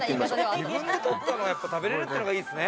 自分で取ったのを食べれるってのがいいですね。